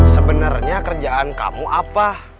sebenernya kerjaan kamu apa